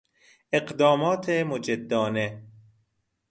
اقدامات مجدانه